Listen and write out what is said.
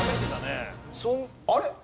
あれ？